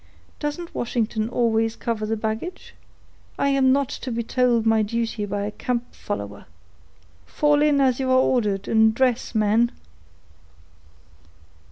Doesn't Washington always cover the baggage? I am not to be told my duty by a camp follower. Fall in as you are ordered, and dress, men."